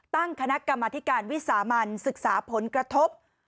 ตั้งคณะกรรมธิการวิสามันศึกษาผลกระทบ